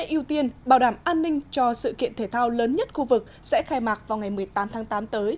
ưu tiên bảo đảm an ninh cho sự kiện thể thao lớn nhất khu vực sẽ khai mạc vào ngày một mươi tám tháng tám tới